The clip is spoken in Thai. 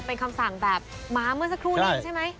เป็นคำสั่งแบบมาเมื่อสักครู่นี้เองใช่ไหม